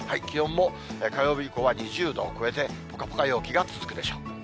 気温も火曜日以降は２０度を超えて、ぽかぽか陽気が続くでしょう。